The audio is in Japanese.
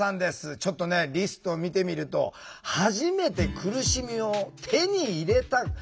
ちょっとねリストを見てみると「はじめて苦しみを手に入れた」。